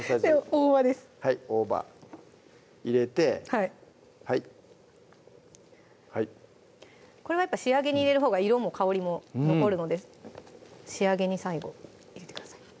大葉です入れてこれは仕上げに入れるほうが色も香りも残るので仕上げに最後入れてください